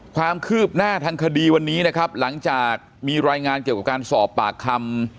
ความคืบหน้าทางคดีวันนี้นะครับหลังจากมีรายงานเกี่ยวกับการสอบปากคำ